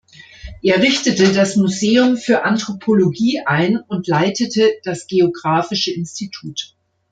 Er richtete das Museum für Anthropologie ein und leitete das Geographische Institut.